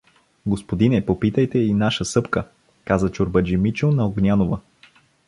— Господине, попитайте и наша Събка — каза чорбаджи Мичо на Огнянова.